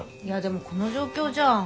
いやでもこの状況じゃ。